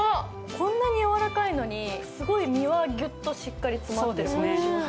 こんなに柔らかいのにすごい、身はぎゅっとしっかり詰まっている感じがします。